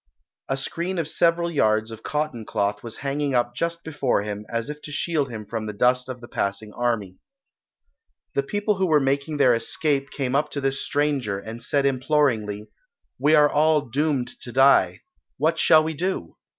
A screen of several yards of cotton cloth was hanging up just before him, as if to shield him from the dust of the passing army. The people who were making their escape came up to this stranger, and said imploringly, "We are all doomed to die. What shall we do?"